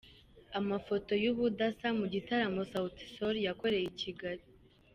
Amafoto y’ubudasa mu gitaramo Sauti Sol yakoreye i Kigali.